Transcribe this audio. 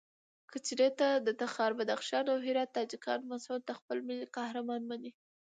کچېرته د تخار، بدخشان او هرات تاجکان مسعود خپل ملي قهرمان مني.